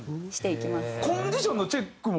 コンディションのチェックも。